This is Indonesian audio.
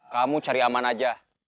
kamu cari aman aja